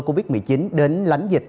covid một mươi chín đến lánh dịch